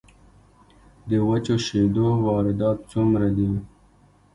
د وچو شیدو واردات څومره دي؟